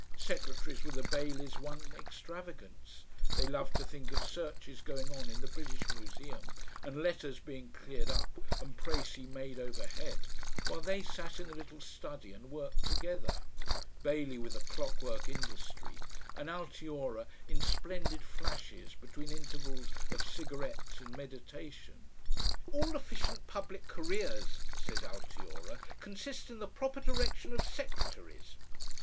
Secretaries were the Baileys' one extravagance, they loved to think of searches going on in the British Museum, and letters being cleared up and precis made overhead, while they sat in the little study and worked together, Bailey with a clockwork industry, and Altiora in splendid flashes between intervals of cigarettes and meditation. "All efficient public careers," said Altiora, "consist in the proper direction of secretaries."